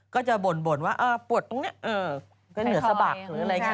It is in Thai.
ก็จะบ่นว่าอ่ะปวดตรงนี้